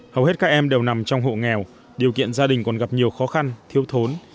hầu hết các em đều nằm trong hộ nghèo điều kiện gia đình còn gặp nhiều khó khăn thiếu thốn